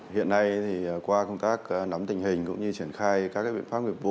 hiện nay qua công tác nắm tình hình cũng như triển khai các biện pháp nghiệp vụ